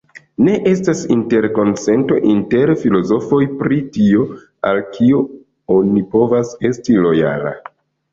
Ne estas interkonsento inter filozofoj pri tio al kio oni povas esti lojala.